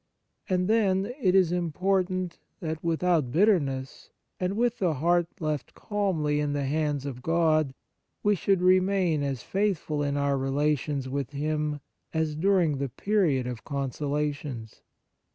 And then it is important that, without bitterness, and with the heart left calmly in the hands of God, we should remain as faithful in our rela tions with Him as during the period of consolations.